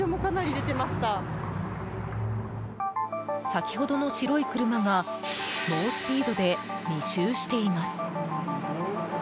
先ほどの白い車が猛スピードで２周しています。